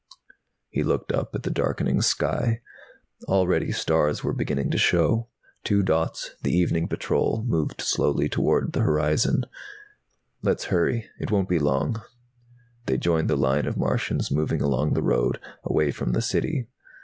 He looked up at the darkening sky. Already, stars were beginning to show. Two dots, the evening patrol, moved slowly toward the horizon. "Let's hurry. It won't be long." They joined the line of Martians moving along the road, away from the City.